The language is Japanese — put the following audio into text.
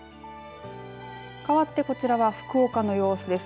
かわってこちらは福岡の様子です。